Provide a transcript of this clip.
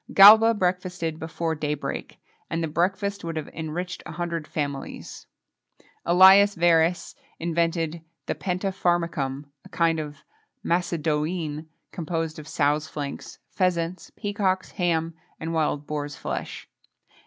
[XXII 27] Galba breakfasted before day break, and the breakfast would have enriched a hundred families.[XXII 28] Ælius Verus invented the pentapharmacum, a kind of Macédoine, composed of sows' flanks, pheasants, peacocks, ham, and wild boars' flesh.